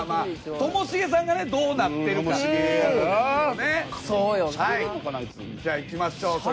ともしげさんがねどうなってるかっていう。